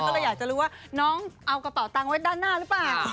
ก็เลยอยากจะรู้ว่าน้องเอากระเป๋าตังค์ไว้ด้านหน้าหรือเปล่า